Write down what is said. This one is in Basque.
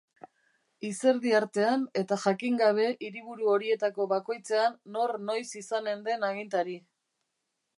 Izerdi artean eta jakin gabe hiriburu horietako bakoitzean nor noiz izanen den agintari.